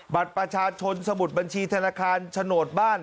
บัตรประชาชนสมุดบัญชีธนาคารโฉนดบ้าน